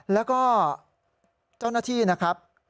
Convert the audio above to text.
แล้วก็เจ้าหน้าที่นะครับ